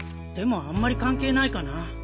でもあんまり関係ないかな。